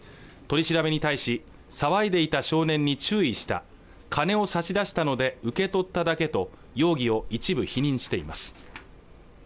取り調べに対し騒いでいた少年に注意した金を差し出したので受け取っただけと容疑を一部否認しています